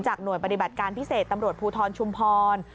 หน่วยปฏิบัติการพิเศษตำรวจภูทรชุมพร